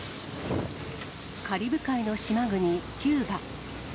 カリブ海の島国、キューバ。